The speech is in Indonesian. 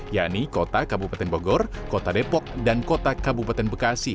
yakni kota kabupaten bogor kota depok dan kota kabupaten bekasi